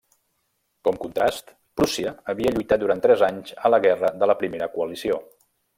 Com contrast, Prússia havia lluitat durant tres anys a la guerra de la Primera Coalició.